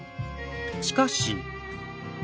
しかし。